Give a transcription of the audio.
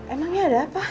emangnya ada apa